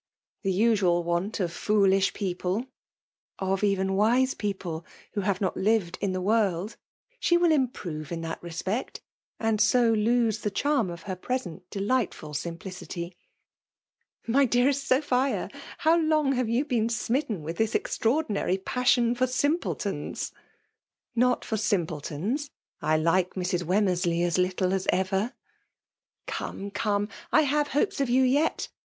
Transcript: ^" The usual want of foolish people." Of even wise people, who have not lived FEMALE DOMINATION. 60 Sn the world. She vdll improve in that re spect, and 80 lose the charm of her present dch*ghtful simplicity." ''' My dearest Sophia! — how long have ^ou 1)ecn smitten with this extrac^dinary passion for simpletons?" • *"'Nol for simpletons. I like Mrs, Worn mersley as little as ever.'* "Come — come — I have hopes of you yet.